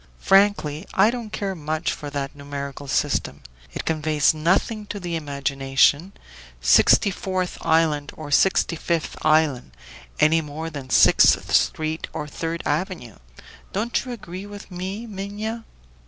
"Frankly, I don't care much for that numerical system; it conveys nothing to the imagination Sixty fourth Island or Sixty fifth Island, any more than Sixth Street or Third Avenue. Don't you agree with me, Minha?"